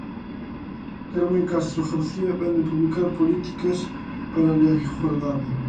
Carmen Castro García vén de publicar "Políticas para la igualdade".